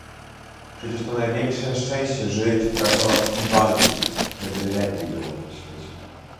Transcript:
"Przecież to największe szczęście żyć, pracować i walczyć, żeby lepiej było na świecie."